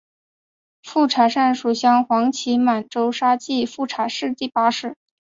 富察善属镶黄旗满洲沙济富察氏第八世。